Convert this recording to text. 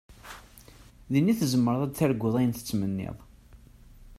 Din i tzemreḍ ad targuḍ ayen tettmenniḍ.